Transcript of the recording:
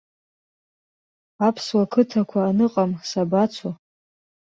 Аԥсуа қыҭақәа аныҟам сабацо.